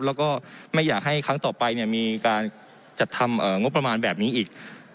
แล้วก็ไม่อยากให้ครั้งต่อไปมีการจัดทำงบประมาณแบบนี้อีก